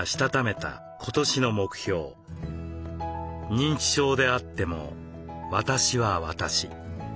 「認知症であっても私は私。